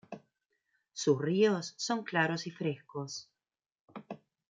Sus ríos son claros y frescos.